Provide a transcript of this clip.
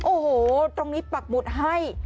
โอ้โหตรงนี้ปักหมุดให้